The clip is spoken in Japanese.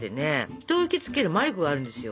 人を引き付ける魔力があるんですよ。